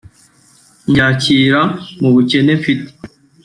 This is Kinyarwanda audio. mbyakira mu bukene mfite